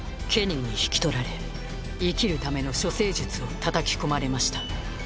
ケニーに引き取られ生きるための処世術を叩き込まれました。